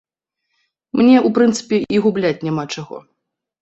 Мне, у прынцыпе, і губляць няма чаго.